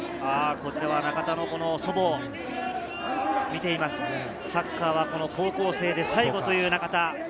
こちらは中田の祖母、サッカーは高校生で最後という中田。